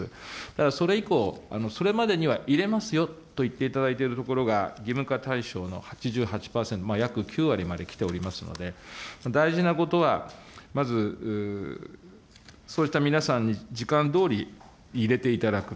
ただ、それ以降、それまでにはいれますよと言っていただいている所が義務化対象の８８％、約９割まできておりますので、大事なことはまずそうした皆さんに時間どおり入れていただく。